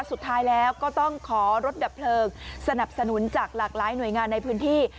สุดท้ายแล้วก็ต้องขอรถดับเพลิงสนับสนุนจากหลากหลายหน่วยงานในพื้นที่